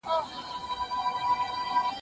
زه پرون سينه سپين کړه،